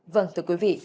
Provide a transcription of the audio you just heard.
vâng thưa quý vị